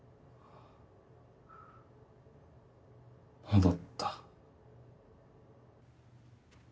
戻った。